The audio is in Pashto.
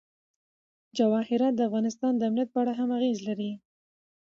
جواهرات د افغانستان د امنیت په اړه هم اغېز لري.